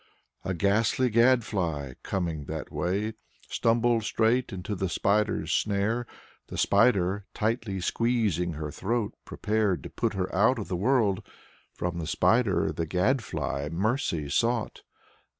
A ghastly Gadfly, coming that way, stumbled straight into the Spider's snare. The Spider, tightly squeezing her throat, prepared to put her out of the world. From the Spider the Gadfly mercy sought.